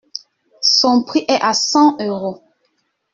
Son prix est à cent euros.